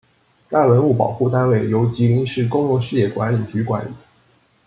该文物保护单位由吉林市公用事业管理局管理。